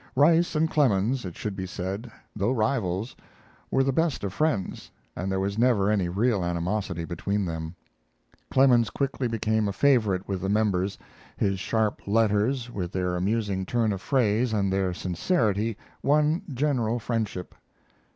Rice and Clemens, it should be said, though rivals, were the best of friends, and there was never any real animosity between them. Clemens quickly became a favorite with the members; his sharp letters, with their amusing turn of phrase and their sincerity, won general friendship.